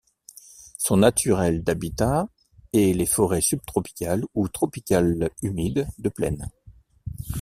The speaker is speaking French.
Son naturel d'habitat est les forêts subtropicales ou tropicales humides de plaine.